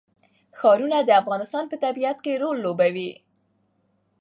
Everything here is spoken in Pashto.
ښارونه د افغانستان په طبیعت کې رول لوبوي.